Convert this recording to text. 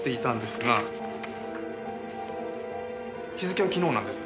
日付は昨日なんです。